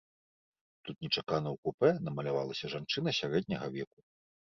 Тут нечакана ў купэ намалявалася жанчына сярэдняга веку.